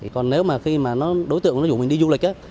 còn nếu mà khi mà nó đối tượng nó rủ mình đi du lịch á